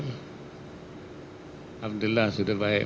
alhamdulillah sudah baik